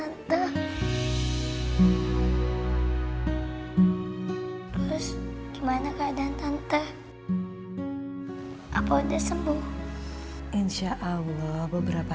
mbak jazark voters mahasiswa memerintah